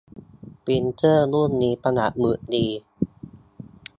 ปรินเตอร์รุ่นนี้ประหยัดหมึกดี